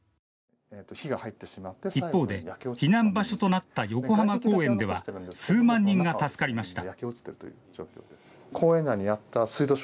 一方で、避難場所となった横浜公園では数万人が助かりました。